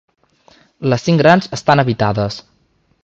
Les cinc grans estan habitades.